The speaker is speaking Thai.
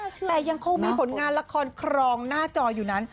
แต่ยังคงมีผลงานละครครองหน้าจออยู่นั้น